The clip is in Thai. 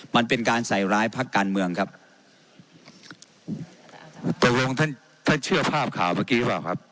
มันเป็นการใส่ร้ายพักการเมืองครับตกลงท่านท่านเชื่อภาพข่าวเมื่อกี้หรือเปล่าครับ